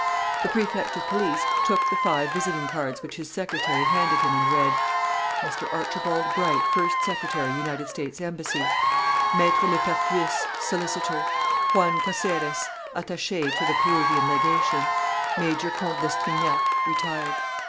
The Prefect of Police took the five visiting cards which his secretary handed him and read: "Mr. Archibald Bright, First Secretary United States Embassy; Maître Lepertuis, Solicitor; Juan Caceres, Attaché to the Peruvian Legation; Major Comte d'Astrignac, retired."